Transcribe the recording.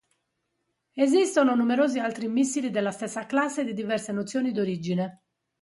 Esistono numerosi altri missili della stessa classe e di diverse nazioni d'origine.